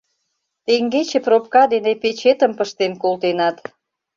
Теҥгече пробка дене печетым пыштен колтенат...